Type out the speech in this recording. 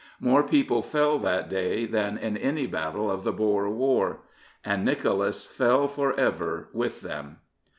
More people fell that day than in any battle of the Boer War. And Nicholas fell for ever with them.